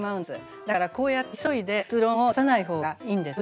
だからこうやって急いで結論を出さない方がいいんですね。